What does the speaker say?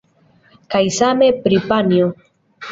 Kaj same pri panjo.